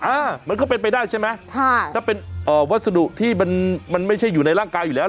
อ่ามันก็เป็นไปได้ใช่ไหมค่ะถ้าเป็นเอ่อวัสดุที่มันมันไม่ใช่อยู่ในร่างกายอยู่แล้ว